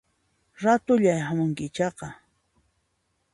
Ratullayá hamunki ichaqa